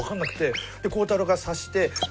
で孝太郎が察して。